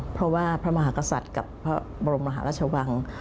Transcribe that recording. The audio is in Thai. เพราะว่าพระมหากษัตริย์กับพระบรมมหาราชวัง